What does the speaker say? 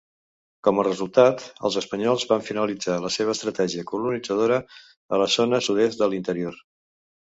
Com a resultat, els espanyols van finalitzar la seva estratègia colonitzadora a la zona sud-est de l'interior.